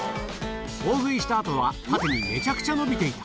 大食いしたあとは縦にめちゃくちゃ伸びている。